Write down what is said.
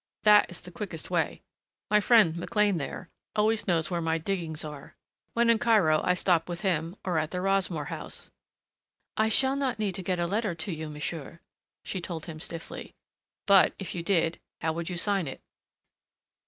That is the quickest way. My friend, McLean there, always knows where my diggings are. When in Cairo I stop with him; or at the Rossmore House." "I shall not need to get a letter to you, monsieur," she told him stiffly. "But, if you did, how would you sign it?"